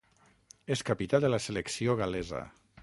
És capità de la selecció gal·lesa.